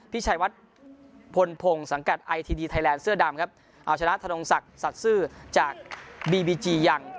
พี่ชัยวัดพลพงศ์สังกัดไอทีดีไทยแลนด์เสื้อดำครับเอาชนะทนงศักดิ์ซื่อจากบีบีจียัง